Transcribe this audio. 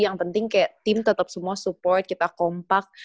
yang penting kayak tim tetap semua support kita kompak